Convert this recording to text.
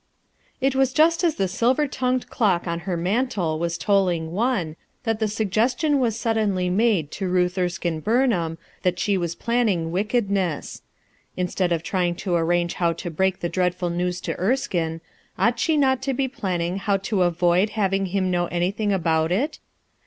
IT was just as the silver tongued clock on her mantel was tolling one, that the sug gestion was suddenly made to llutli Ewkbo IJurnliarn that bbo mis planning wickcdncMa, Instead of trying to arrange how to break the dreadful news to Erskine, ought she not to bo planning how to avoid having him know anything about it?